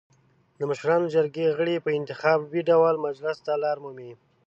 د مشرانو جرګې غړي په انتخابي ډول مجلس ته لار مومي.